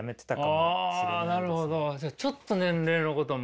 じゃあちょっと年齢のことも。